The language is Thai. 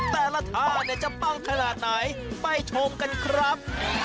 แต่ละท่าเนี่ยจะปังขนาดไหนไปชมกันครับ